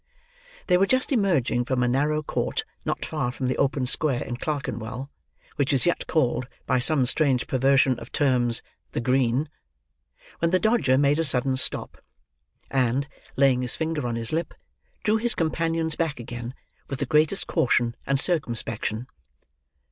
They were just emerging from a narrow court not far from the open square in Clerkenwell, which is yet called, by some strange perversion of terms, "The Green": when the Dodger made a sudden stop; and, laying his finger on his lip, drew his companions back again, with the greatest caution and circumspection.